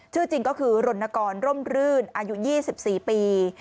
ชื่อจริงก็คือรณกรร่มรื่นอายุ๒๔ปี